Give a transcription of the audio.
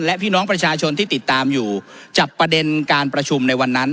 และพี่น้องประชาชนที่ติดตามอยู่จับประเด็นการประชุมในวันนั้น